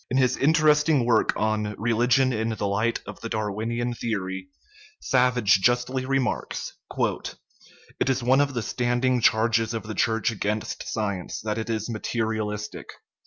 In his interesting work on Religion in the Light of the Darwinian Theory, Savage justly remarks :" It is one of the standing charges of the Church against science that it is materialistic.